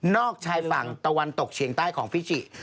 ชายฝั่งตะวันตกเฉียงใต้ของฟิจิ